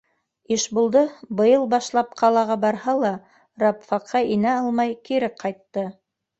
Ишбулды быйыл башлап ҡалаға барһа ла, рабфакка инә алмай кире ҡайтты.